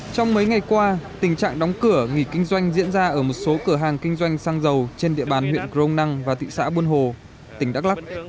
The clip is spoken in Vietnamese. trong mấy ngày qua tình trạng đóng cửa nghỉ kinh doanh diễn ra ở một số cửa hàng kinh doanh xăng dầu trên địa bàn huyện grong năng và thị xã buôn hồ tỉnh đắk lắc